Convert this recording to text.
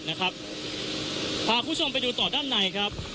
พาคุณผู้ชมไปดูต่อด้านในครับ